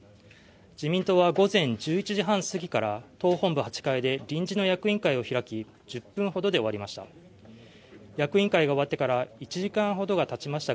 自民党は午前１１時半過ぎから党本部８階で臨時の役員会を開き１０分ほどで終わりました。